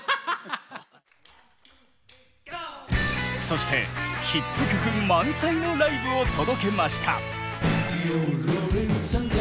そしてヒット曲満載のライブを届けました。